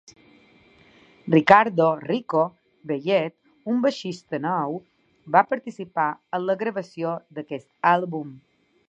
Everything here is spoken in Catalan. Ricardo "Rico" Belled, un baixista nou, va participar en la gravació d'aquest àlbum.